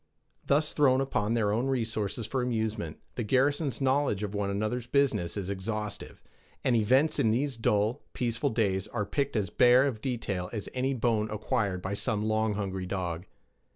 Thus thrown upon their own resources for amusement, the garrison's knowledge of one another's business is exhaustive, and events in these dull, peaceful days are picked as bare of detail as any bone acquired by some long hungry dog.